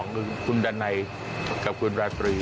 คือคุณดันัยกับคุณราตรี